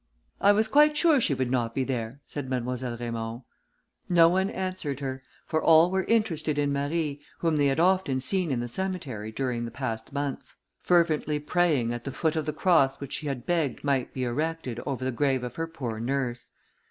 "I was quite sure she would not be there," said Mademoiselle Raymond. No one answered her, for all were interested in Marie, whom they had often seen in the cemetery during the past months, fervently praying at the foot of the cross which she had begged might be erected over the grave of her poor nurse.